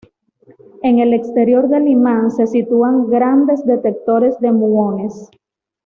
En el exterior del imán se sitúan grandes detectores de muones.